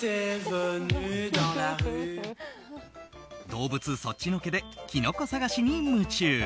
動物そっちのけできのこ探しに夢中。